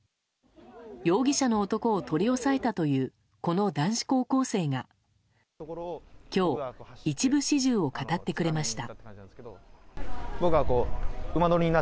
容疑者の男を取り押さえたというこの男子高校生が今日、一部始終を語ってくれました。